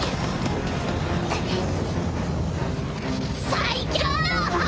「最強の矛」！